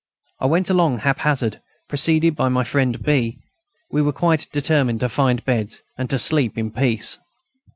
I went along haphazard, preceded by my friend B. We were quite determined to find beds, and to sleep in peace.